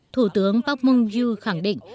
thủ tướng park bong gyu khẳng định